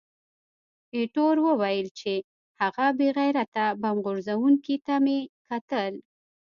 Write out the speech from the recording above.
ایټور وویل چې، هغه بې غیرته بم غورځوونکي ته مې کتل.